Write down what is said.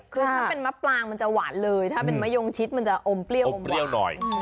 คือถ้าเป็นมะปลางมันจะหวานเลยถ้าเป็นมะยงชิดมันจะอมเปรี้ยวอมเปรี้ยวหน่อย